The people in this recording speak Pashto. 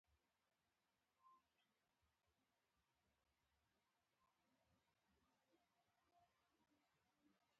بیژن پخپله هم لېونی کیږي.